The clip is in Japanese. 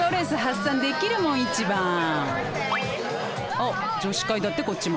お女子会だってこっちも。